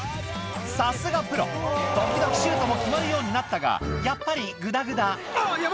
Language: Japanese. さすがプロ時々シュートも決まるようになったがやっぱりぐだぐだあれ？